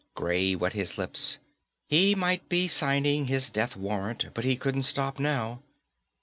_ Gray wet his lips. He might be signing his death warrant, but he couldn't stop now.